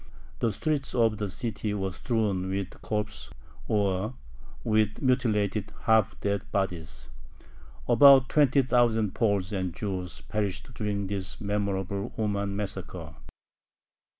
The streets of the city were strewn with corpses or with mutilated, half dead bodies. About twenty thousand Poles and Jews perished during this memorable "Uman massacre."